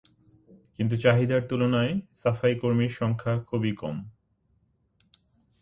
কিন্তু চাহিদার তুলনায় সাফাইকর্মীর সংখ্যা খুবই কম।